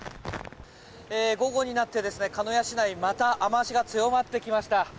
午後になって鹿屋市内また雨脚が強まってきました。